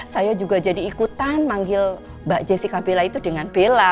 saya juga jadi ikutan manggil mbak jessica bela itu dengan bella